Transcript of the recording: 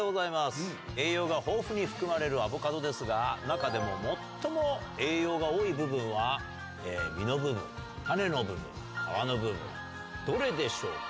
栄養が豊富に含まれるアボカドですが中でも最も栄養が多い部分は実の部分種の部分皮の部分どれでしょうか？